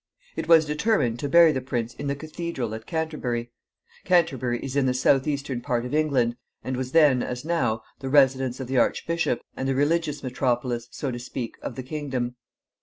It was determined to bury the prince in the Cathedral at Canterbury. Canterbury is in the south eastern part of England, and was then, as now, the residence of the archbishop, and the religious metropolis, so to speak, of the kingdom.